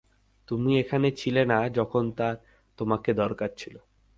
তুমি এখানে ছিলে না যখন তার তোমাকে দরকার ছিল!